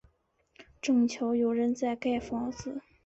正巧有人在盖房子